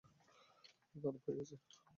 ও দানব হয়ে গেছে!